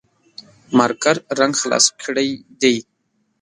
مارکر رنګ خلاص کړي دي